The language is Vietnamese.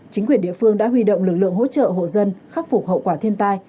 chính quyền địa phương đã huy động lực lượng hỗ trợ hộ dân khắc phục hậu quả thiên tai